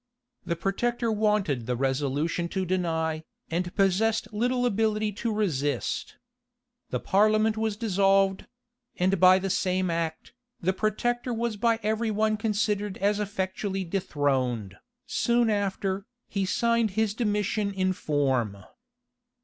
The protector wanted the resolution to deny, and possessed little ability to resist. The parliament was dissolved; and by the same act, the protector was by every one considered as effectually dethroned. Soon after, he signed his demission in form.